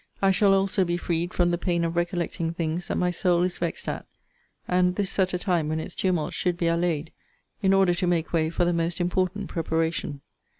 'I shall also be freed from the pain of recollecting things that my soul is vexed at; and this at a time when its tumults should be allayed, in order to make way for the most important preparation.